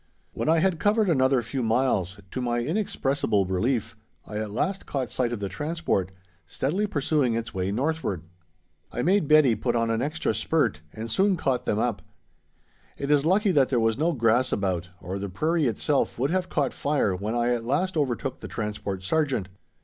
When I had covered another few miles, to my inexpressible relief, I at last caught sight of the Transport, steadily pursuing its way northward! I made Betty put on an extra spurt and soon caught them up. It is lucky that there was no grass about, or the prairie itself would have caught fire when I at last overtook the Transport Sergeant.